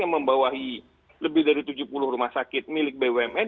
yang membawahi lebih dari tujuh puluh rumah sakit milik bumn